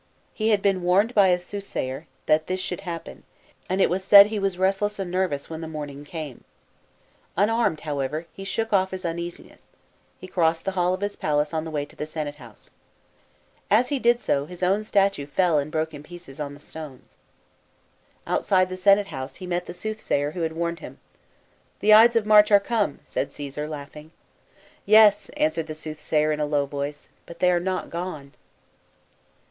He had been warned by a soothsayer, that this should happen, and it ip said he was restless and nervous, when the morning came. Unarmed, however, he shook off his uneasiness ; he crossed the hall of B.C. 44.] DEATH OF JULIUS CAESAR. 193 his palace on the way to the senate house. As he did so, his own statue fell and broke in pieces on the stones. Outside the senate house, he met the soothsayer, who had warned him. " The Ides of March are come/' said Caesar, laughing. " Yes," answered the soothsayer in a low voice, " but they are not gone."